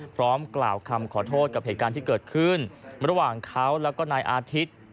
พร้อมกล่าวคำขอโทษกับเหตุการณ์ที่เกิดขึ้นระหว่างเขาแล้วก็นายอาทิตย์